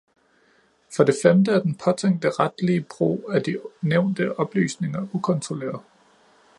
For det femte er den påtænkte retlige brug af de nævnte oplysninger ukontrolleret.